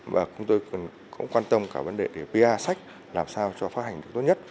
và chúng tôi còn quan tâm cả vấn đề để pa sách làm sao cho phát hành được tốt nhất